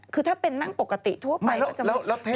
คือถ้าเป็นนั่งปกติทั่วไปแล้ว